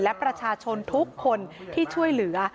และประชาชนทุกคนที่ช่วยเหลือ